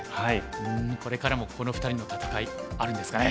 うんこれからもこの２人の戦いあるんですかね。